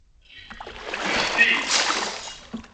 Fti.